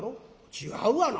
「違うわな。